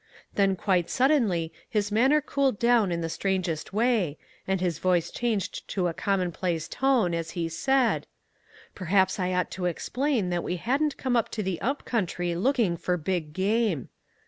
Then quite suddenly his manner cooled down in the strangest way, and his voice changed to a commonplace tone as he said, "Perhaps I ought to explain that we hadn't come up to the up country looking for big game.